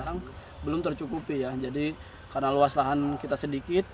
memang belum tercukupi ya jadi karena luas lahan kita sedikit